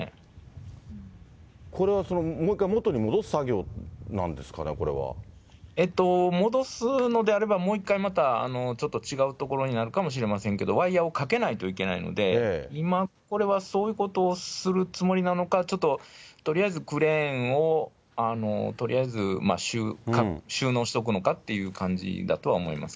これはその、もう一回元に戻戻すのであれば、もう一回また、ちょっと違う所になるかもしれませんけど、ワイヤをかけないといけないので、今これはそういうことをするつもりなのか、ちょっととりあえずクレーンを、とりあえず収納しておくのかという感じだとは思います